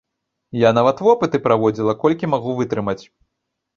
Я нават вопыты праводзіла, колькі магу вытрымаць.